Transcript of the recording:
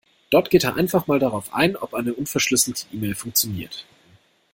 Dort geht er einfach mal darauf ein, ob eine unverschlüsselte E-Mail funktioniert.